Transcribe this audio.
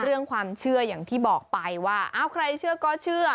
เรื่องความเชื่ออย่างที่บอกไปว่าอ้าวใครเชื่อก็เชื่อ